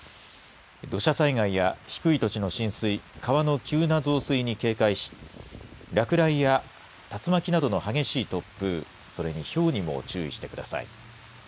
土砂災害や低い土地の浸水、川の急な増水に警戒し、落雷や竜巻などの激しい突風、それにひょうにも注意してください。